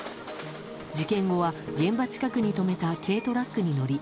事件後は現場近くに止めた軽トラックに乗り